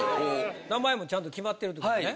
名前もちゃんと決まってるんですよね？